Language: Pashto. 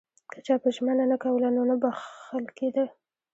که چا به ژمنه نه کوله نو نه بخښل کېده.